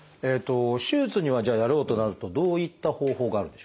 手術にはじゃあやろうとなるとどういった方法があるんでしょう？